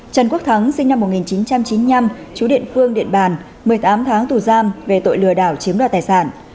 trần quốc thắng sinh năm một nghìn chín trăm chín mươi năm chú địa phương điện bàn một mươi tám tháng tù giam về tội lừa đảo chiếm đoạt tài sản